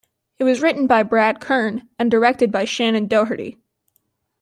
It was written by Brad Kern and directed by Shannen Doherty.